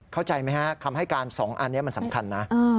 เข้าใจไหมฮะคำให้การ๒อันนี้มันสำคัญนะ